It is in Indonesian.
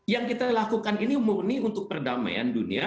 yang kita lakukan ini murni untuk perdamaian dunia